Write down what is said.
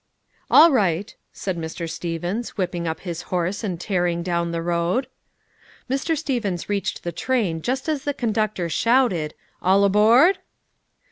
"All right," said Mr. Stevens, whipping up his horse and tearing down the road. Mr. Stevens reached the train just as the conductor shouted, "All aboard!"